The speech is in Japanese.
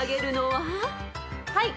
はい。